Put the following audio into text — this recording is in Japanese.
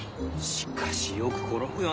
しかしよく転ぶよ